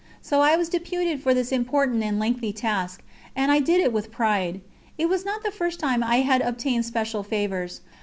So I was deputed for this important and lengthy task, and I did it with pride. It was not the first time I had obtained special favours.